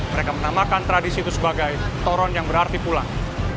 mereka menamakan tradisi itu sebagai toron yang berarti pulang